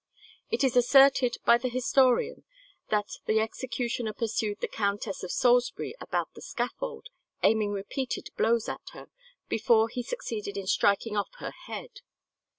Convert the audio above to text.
It is asserted by the historian that the executioner pursued the Countess of Salisbury about the scaffold, aiming repeated blows at her, before he succeeded in striking off her head.